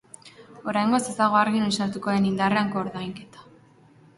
Oraingoz ez dago argi noiz sartuko den indarrean koordainketa.